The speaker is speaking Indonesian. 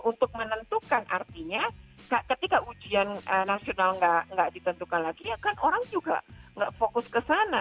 untuk menentukan artinya ketika ujian nasional nggak ditentukan lagi ya kan orang juga nggak fokus ke sana